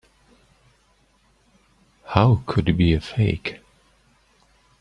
How could he be a fake?